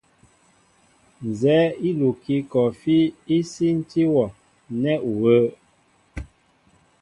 Nzɛ́ɛ́ íkukí kɔɔfí í sínti wɔ nɛ́ u wə̄ə̄.